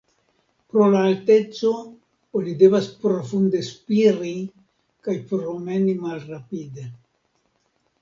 Pro la alteco oni devas profunde spiri kaj promeni malrapide.